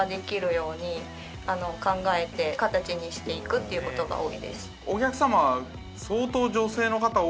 っていう事が多いです。